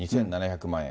２７００万円。